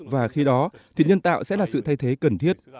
và khi đó thịt nhân tạo sẽ là sự thay thế cần thiết